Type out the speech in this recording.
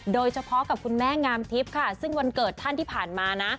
โดยเฉพาะกับคุณแม่งามทิพย์ค่ะซึ่งวันเกิดท่านที่ผ่านมานะ